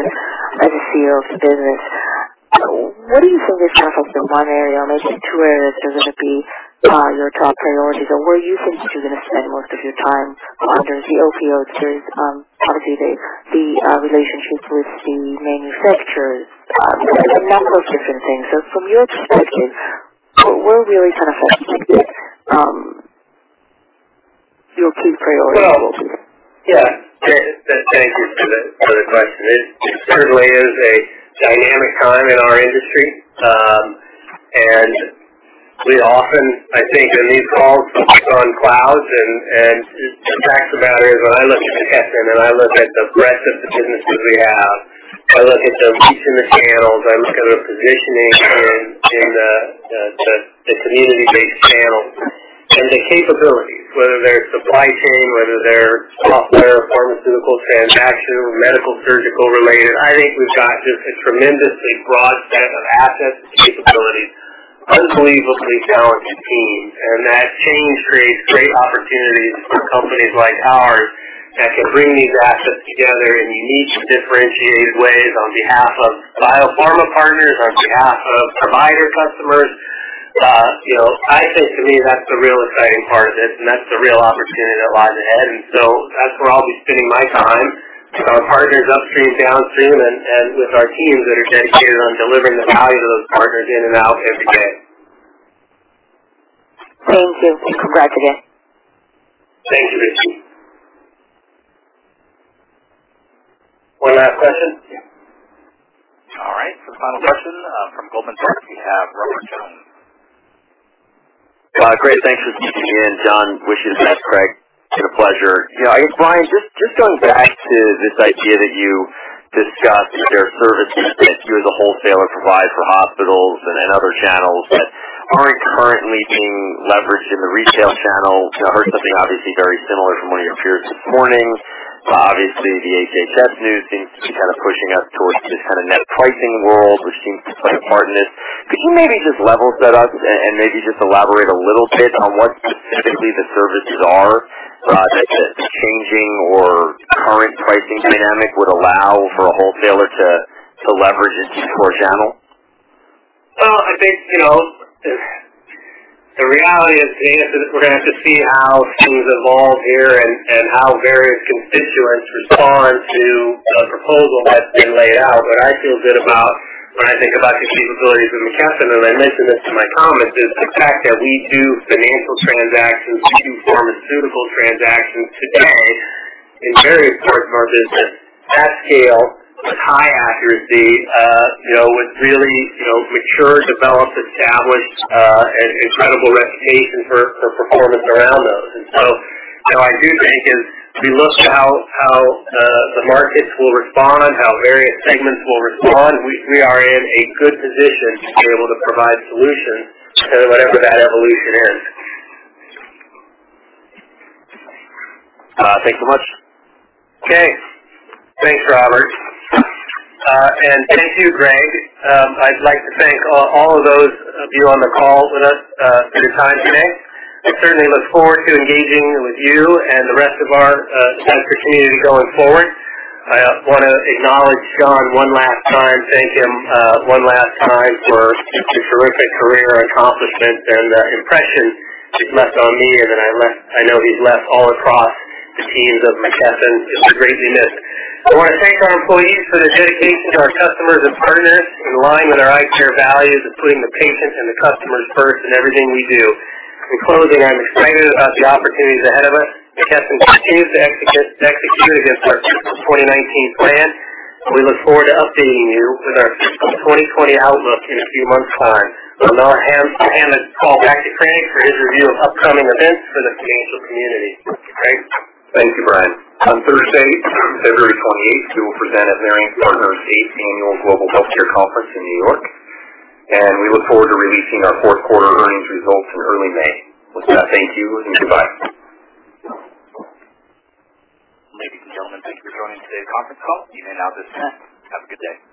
as a CEO of the business, what do you think are some of the one area or maybe two areas that are going to be your top priorities, or where you think you're going to spend most of your time? There's the opioids, there's obviously the relationship with the manufacturers. There's a number of different things. From your perspective, what will really kind of set the stage your key priorities? Well, yeah. Thanks for the question. It certainly is a dynamic time in our industry. We often, I think, in these calls, focus on clouds and the fact of the matter is, when I look at McKesson and I look at the breadth of the businesses we have, I look at the reach in the channels, I look at our positioning in the community-based channels and the capabilities, whether they're supply chain, whether they're software or pharmaceutical transaction or medical surgical-related. I think we've got just a tremendously broad set of assets and capabilities, unbelievably talented teams, and that change creates great opportunities for companies like ours that can bring these assets together in unique, differentiated ways on behalf of biopharma partners, on behalf of provider customers. I think for me, that's the real exciting part of this, and that's the real opportunity that lies ahead. That's where I'll be spending my time, with our partners upstream, downstream and with our teams that are dedicated on delivering the value to those partners in and out every day. Thank you. Congrats again. Thanks, Ricky. One last question. final question, from Goldman Sachs, we have Robert Jones. Great. Thanks for keeping me in, John. Wishes to Craig. It's a pleasure. Brian, just going back to this idea that you discussed, there are services that you as a wholesaler provide for hospitals and other channels that aren't currently being leveraged in the retail channel. I heard something obviously very similar from one of your peers this morning. Obviously the HHS news seems to be pushing us towards this net pricing world, which seems to play to McKesson's. Could you maybe just level set us and maybe just elaborate a little bit on what specifically the services are that the changing or current pricing dynamic would allow for a wholesaler to leverage into core channel? Well, I think, the reality is, we're going to have to see how things evolve here and how various constituents respond proposal that's been laid out, what I feel good about when I think about the capabilities of McKesson, and I mentioned this in my comments, is the fact that we do financial transactions, we do pharmaceutical transactions today is very important to our business. At scale, with high accuracy, with really mature, developed, established, and incredible reputation for performance around those. I do think as we look to how the markets will respond, how various segments will respond, we are in a good position to be able to provide solutions to whatever that evolution is. Thanks so much. Okay. Thanks, Robert. Thank you, Greg Mercer. I'd like to thank all of those of you on the call with us for your time today. I certainly look forward to engaging with you and the rest of our investor community going forward. I want to acknowledge John one last time, thank him one last time for his terrific career accomplishment and the impression he's left on me and that I know he's left all across the teams of McKesson. It's a great unit. I want to thank our employees for their dedication to our customers and partners in line with our ICARE values of putting the patients and the customers first in everything we do. In closing, I'm excited about the opportunities ahead of us. McKesson continues to execute against our 2019 plan. We look forward to updating you with our 2020 outlook in a few months' time. I'll now hand the call back to Craig for his review of upcoming events for the financial community. Craig? Thank you, Brian. On Thursday, 28th February, we will present at uncertain 18th Annual Global Healthcare Conference in New York. We look forward to releasing our fourth quarter earnings results in early May. With that, thank you and goodbye. Ladies and gentlemen, thank you for joining today's conference call. You may now disconnect. Have a good day.